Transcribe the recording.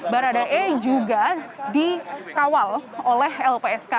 baradae juga dikawal oleh lpsk